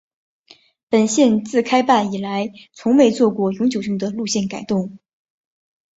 本线自开办以来从未做过永久性的路线改动。